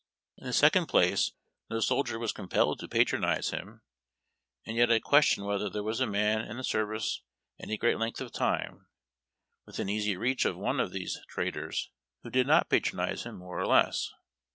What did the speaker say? In the second place, no soldier was compelled to patronize him, and yet I question whether there was a man in tlie service any great length of time, within easy reach of one 228 HARD TACK AND COFFEE. of tliese traders, who did not patronize liini more or less.